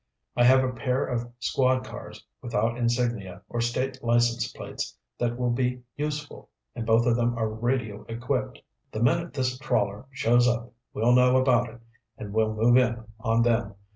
I have a pair of squad cars without insignia or state license plates that will be useful, and both of them are radio equipped. The minute this trawler shows up, we'll know about it and we'll move in on them.